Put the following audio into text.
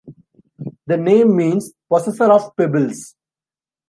The name means "possessor of pebbles".